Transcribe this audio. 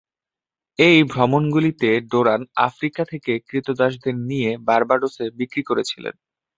এই ভ্রমণগুলিতে Doran Africa থেকে ক্রীতদাসদের নিয়ে বার্বাডোসে বিক্রি করেছিলেন।